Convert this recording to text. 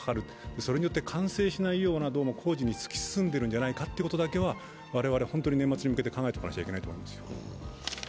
それによって完成しないような工事に突き進んでいるんじゃないかということは我々は本当に年末に向けて考えておかなければいけないと思います。